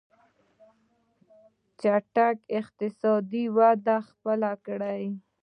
چټکه اقتصادي وده خپله کړي.